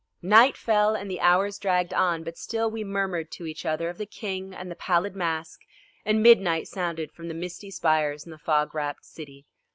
Night fell and the hours dragged on, but still we murmured to each other of the King and the Pallid Mask, and midnight sounded from the misty spires in the fog wrapped city.